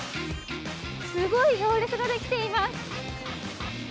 すごい行列ができています。